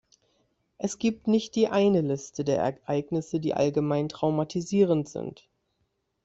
Es gibt nicht die eine Liste der Ereignisse, die allgemein traumatisierend sind.